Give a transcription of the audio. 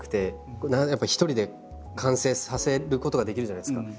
やっぱり一人で完成させることができるじゃないですか。